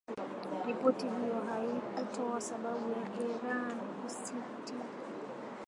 Ripoti hiyo haikutoa sababu ya Iran kusitisha kwa muda mazungumzo lakini inakuja